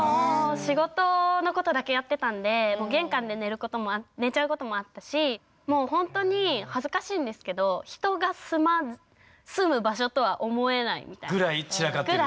仕事のことだけやってたんで玄関で寝ちゃうこともあったしもうほんとに恥ずかしいんですけどぐらい散らかってる。